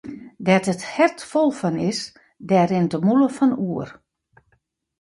Dêr't it hert fol fan is, dêr rint de mûle fan oer.